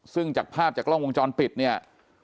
ซึ่งจากภาพจากกล้องวงจรปิดเนี่ย